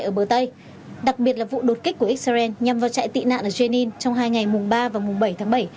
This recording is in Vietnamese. ở bờ tây đặc biệt là vụ đột kích của israel nhằm vào trại tị nạn ở jenin trong hai ngày mùng ba và mùng bảy tháng bảy